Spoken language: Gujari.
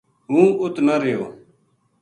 ہوں اُت نہ رہیو